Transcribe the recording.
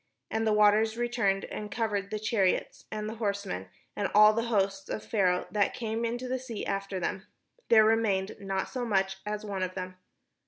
And the waters returned, and covered the chariots, and the horsemen, and all the host of Pharaoh that came into the sea after them; there remained not so much as one of them.